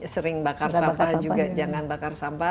sering bakar sampah juga jangan bakar sampah